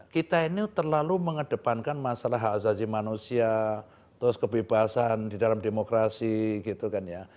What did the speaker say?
kita ini terlalu mengedepankan masalah hak azazi manusia terus kebebasan di dalam demokrasi gitu kan ya